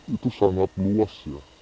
itu sangat luas ya